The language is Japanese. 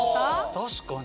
確かに。